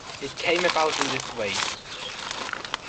It came about in this way.